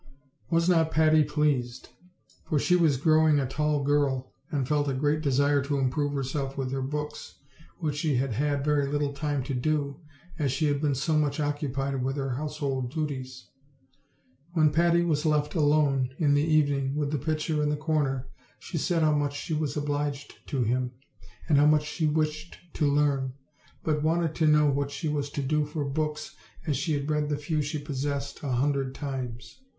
Was not Patty pleased! for she was growing a tall girl, &nd felt a great desire to improve herself with her books, which she had had very little time to do, as she had been so much occupied with her household duties. When Patty was left alone in the evening with the pitcher in the corner, she said how much she was obliged in him* and bow much she wished to learn, but wante4 OLD, OLD FAlRf TALES. 23 to know what she was to do for books, as she had read the few she possessed a hundred times.